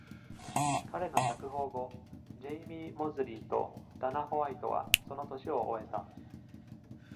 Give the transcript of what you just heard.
彼の釈放後、ジェイミー・モズリーとダナ・ホワイトはその年を終えた。